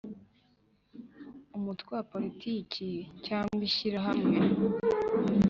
Umutwe wa politiki cyangwa ishyirahamwe